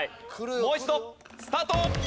もう一度スタート！